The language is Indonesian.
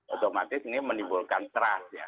otomatis ini menimbulkan trust ya